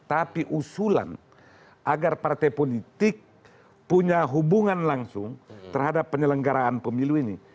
tapi usulan agar partai politik punya hubungan langsung terhadap penyelenggaraan pemilu ini